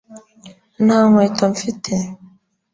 nta nkweto mfite